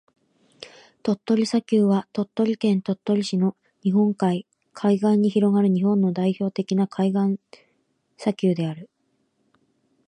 鳥取砂丘は、鳥取県鳥取市の日本海海岸に広がる日本の代表的な海岸砂丘である。